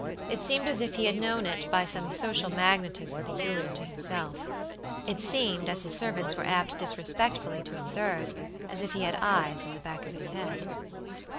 It seemed as if he had known it by some social magnetism peculiar to himself; it seemed, as his servants were apt disrespectfully to observe, as if he had eyes in the back of his head.